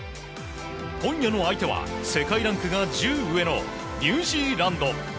今夜の相手は世界ランクが１０上のニュージーランド。